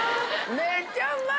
めっちゃうまい！